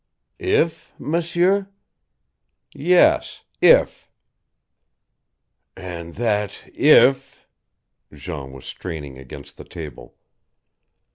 "If, M'seur?" "Yes if." "And that 'if' " Jean was straining against the table.